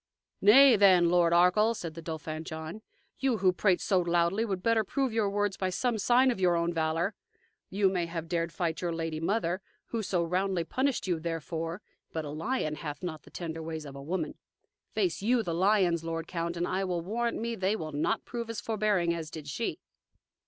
"Nay, then, Lord of Arkell," said the Dauphin John, "you, who prate so loudly, would better prove your words by some sign of your own valor. You may have dared fight your lady mother, who so roundly punished you therefor, but a lion hath not the tender ways of a woman. Face YOU the lions, lord count, and I will warrant me they will not prove as forbearing as did she."